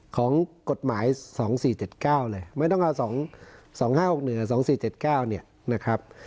ของกฎหมาย๒๔๗๙เลยไม่ต้องเอา๒๕๖๑๒๔๗๙เนี่ยนะครับ